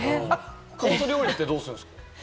コース料理はどうするんですか？